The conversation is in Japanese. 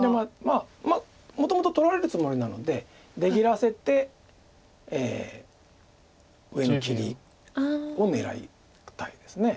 まあもともと取られるつもりなので出切らせて上に切りを狙いたいです。